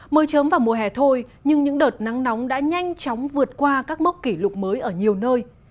mới trớm vào mùa hè thôi nhưng những đợt nắng nóng đã nhanh chóng vượt qua các mốc kỷ lục mới ở nhiều nơi